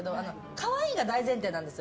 可愛いが大前提なんですよ。